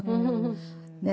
ねえ。